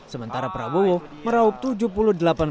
sementara prabowo meraup tujuh puluh delapan persen